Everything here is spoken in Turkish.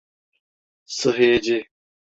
Sıhhiyeci!